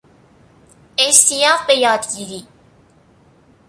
اشتیاق به یادگیری